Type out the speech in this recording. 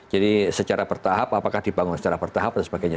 jadi secara bertahap apakah dibangun secara bertahap dan sebagainya